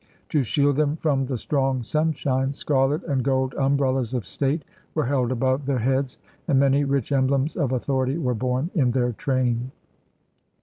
To shield them from the strong sunshine, scarlet and gold umbrellas of State were held above their heads, and many rich emblems of authority were borne in their train.